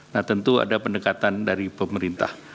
nah tentu ada pendekatan dari pemerintah